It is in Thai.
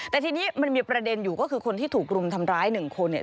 แต่ทีนี้มันมีประเด็นอยู่ก็คือคนที่ถูกรุมทำร้ายหนึ่งคนเนี่ย